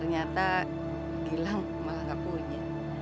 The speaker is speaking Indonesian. ternyata bilang maka gak punya